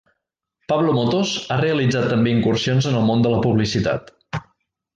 Pablo Motos ha realitzat també incursions en el món de la publicitat.